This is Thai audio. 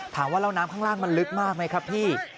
ถามว่าแล้วน้ำข้างล่างมันลึกมากไหมครับพี่